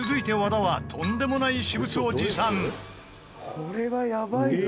「これはやばいぞ」